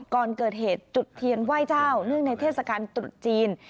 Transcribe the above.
ก่อนเกิดเหตุจุดเทียนไหว้เจ้าเนื่องในเทศกาลตรุษจีน